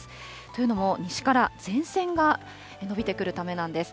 というのも、西から前線が延びてくるためなんです。